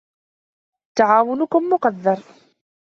تعاونكم مقدر